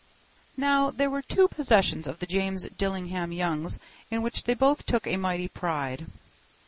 Now, there were two possessions of the James Dillingham Youngs in which they both took a mighty pride.